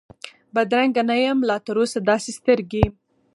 بدرنګه نه یم لا تراوسه داسي سترګې،